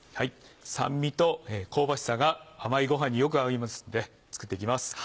酸味と香ばしさが甘いごはんによく合いますので作っていきます。